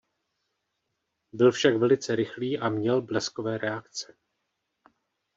Byl však velice rychlý a měl bleskové reakce.